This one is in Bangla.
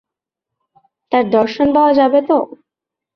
তাঁর দর্শন পাওয়া যাবে তো?